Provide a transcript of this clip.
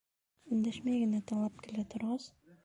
Өндәшмәй генә тыңлап килә торғас: